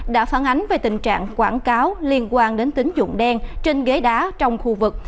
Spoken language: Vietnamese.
đã phản ánh về tình trạng quảng cáo liên quan đến tính dụng đen trên ghế đá trong khu vực